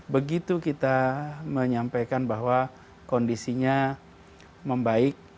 begitu kita menyampaikan bahwa kondisinya membaik